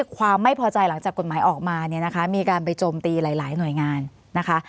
ความไม่พอใจหลังจากกฎหมายออกมาเนี่ยนะคะมีการไปโจมตีหลายหน่วยงานนะคะ